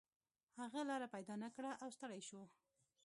هغه لاره پیدا نه کړه او ستړی شو.